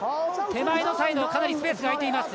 手前のサイドかなりスペースが空いています。